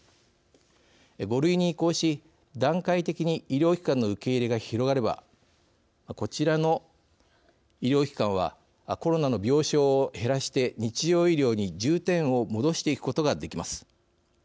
５類に移行し、段階的に医療機関の受け入れが広がればこちらの医療機関はコロナの病床を減らして日常医療に重点を戻していくことができます。